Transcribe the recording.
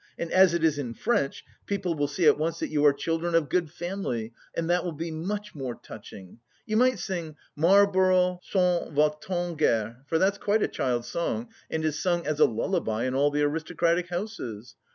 And as it is in French, people will see at once that you are children of good family, and that will be much more touching.... You might sing 'Marlborough s'en va t en guerre,' for that's quite a child's song and is sung as a lullaby in all the aristocratic houses.